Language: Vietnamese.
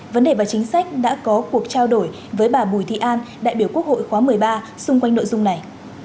vấn đề và chính sách đã có cuộc trao đổi với bà bùi thị an đại biểu quốc hội khóa một mươi ba xung quanh nội dung này